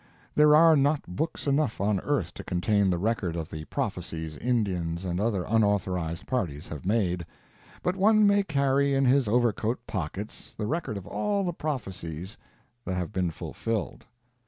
There are not books enough on earth to contain the record of the prophecies Indians and other unauthorized parties have made; but one may carry in his overcoat pockets the record of all the prophecies that have been fulfilled.